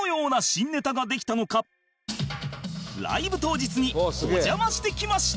ライブ当日にお邪魔してきました！